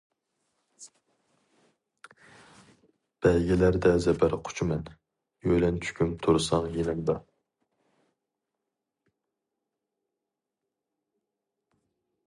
بەيگىلەردە زەپەر قۇچىمەن، يۆلەنچۈكۈم تۇرساڭ يېنىمدا.